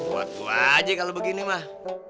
buat gua aja kalau begini mah